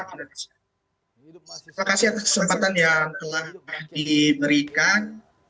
terima kasih atas kesempatan yang telah diberikan